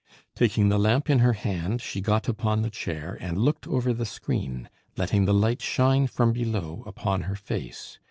Taking the lamp in her hand, she got upon the chair, and looked over the screen, letting the light shine from below upon her face.